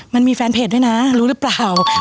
มันมีแฟนเพจด้วยนะรู้หรือเปล่า